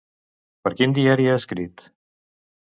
Per quin diari ha escrit?